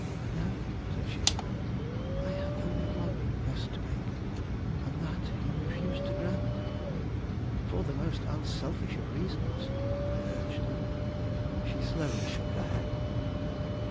"No," said she; "I have only one request to make, and that you refuse to grant." "For the most unselfish of reasons," I urged. She slowly shook her head.